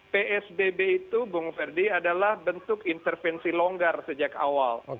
psbb itu bung ferdi adalah bentuk intervensi longgar sejak awal